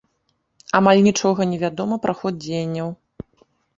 Амаль нічога не вядома пра ход дзеянняў.